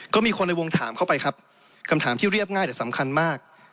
ก็มีคนในวงถามเข้าไปครับคำถามที่เรียบง่ายแต่สำคัญมาก